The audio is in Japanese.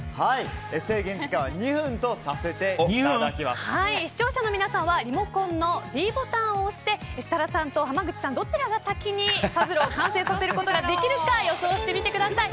制限時間は視聴者の皆さんはリモコンのｄボタンを押して設楽さんと濱口さんどちらが先にパズルを完成させることができるか予想してみてください。